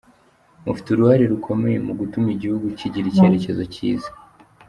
Mufite uruhare rukomeye mu gutuma igihugu kigira icyerekezo cyiza.